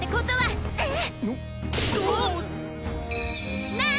えっ？